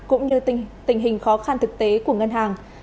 cũng như tình hình khó khăn thực tế của ngân hàng